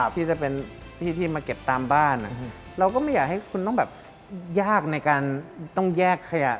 ที่จะเป็นที่ที่มาเก็บตามบ้านเราก็ไม่อยากให้คุณต้องแบบยากในการต้องแยกขยะ